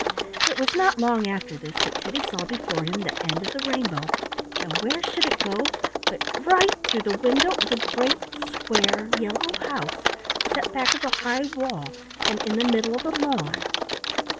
It was not long after this that Teddy saw before him the end of the rainbow, and where should it go but right through the window of a great square yellow house, set back of a high wall and in the middle of a lawn.